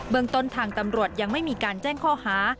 เมืองต้นทางตำรวจยังไม่มีการแจ้งข้อหา